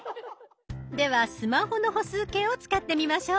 ではスマホの歩数計を使ってみましょう。